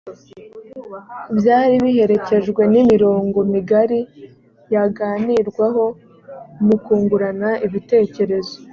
byari biherekejwe n’imirongo migari yaganirwaho mu kungurana ibitekerezo